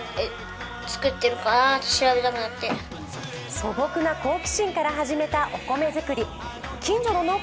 素朴な好奇心から始めたお米作り。